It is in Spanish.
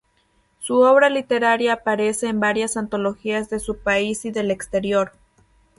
Su obra literaria aparece en varias antologías de su país y del exterior.